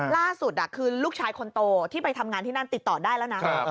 ล่าสุดคือลูกชายคนโตที่ไปทำงานที่นั่นติดต่อได้แล้วนะ